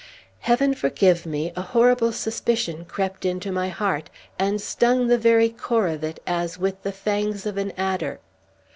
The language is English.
Heaven forgive me! A horrible suspicion crept into my heart, and stung the very core of it as with the fangs of an adder.